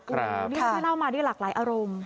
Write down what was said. ครับนี่แม่น่าวมาด้วยหลากหลายอารมณ์